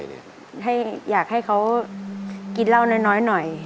เฉยอยากให้เขากินเล่าหน่อย